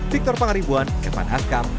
victor pangaribuan irfan azkam